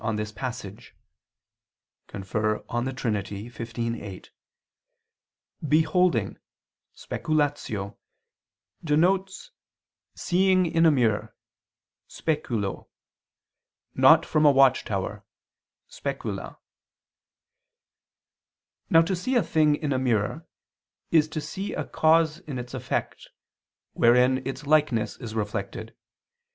xv, 8] of Augustine on this passage, "beholding" (speculatio) denotes "seeing in a mirror (speculo), not from a watch tower (specula)." Now to see a thing in a mirror is to see a cause in its effect wherein its likeness is reflected.